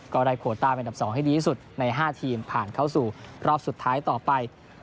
ก็ได้โคต้าเป็นอันดับ๒ให้ดีที่สุดใน๕ทีมผ่านเข้าสู่รอบสุดท้ายต่อไป